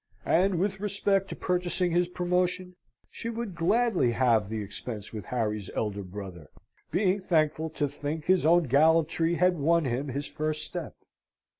And with respect to purchasing his promotion, she would gladly halve the expense with Harry's elder brother, being thankful to think his own gallantry had won him his first step.